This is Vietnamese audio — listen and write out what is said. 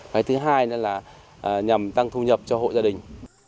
và thứ hai là nhằm tăng thu nhập cho hội gia đình